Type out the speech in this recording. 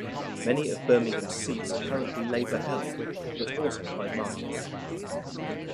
Many of Birmingham's seats are currently Labour-held, but also quite marginal.